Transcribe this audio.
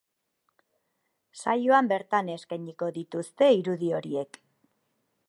Saioan bertan eskainiko dituzte irudi horiek.